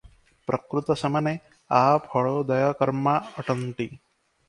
ପ୍ରକୃତ ସେମାନେ 'ଆଫଳୋଦୟକର୍ମା' ଅଟନ୍ତି ।